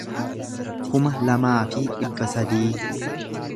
kuma lamaa fi dhibba sadii